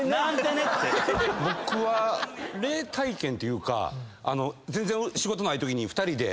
僕は霊体験っていうか全然仕事ないときに２人で。